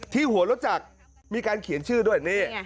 หัวรถจักรมีการเขียนชื่อด้วยนี่